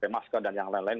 masker dan yang lain lain